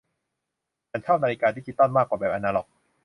ฉันชอบนาฬิกาดิจิตัลมากกว่าแบบอนาล็อก